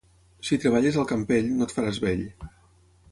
Si treballes al Campell, no et faràs vell.